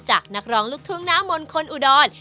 จากนักรองลูกท่วงหน้ามลคนอุดร